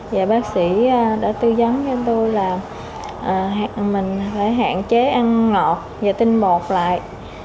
và bác sĩ đã tư vấn cho tôi là mình phải hạn chế ăn ngọt và tinh bột lại